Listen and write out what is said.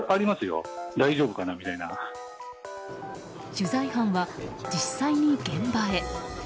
取材班は実際に現場へ。